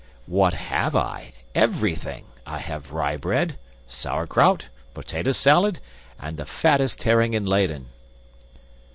"What have I? Everything. I have rye bread, sauerkraut, potato salad, and the fattest herring in Leyden."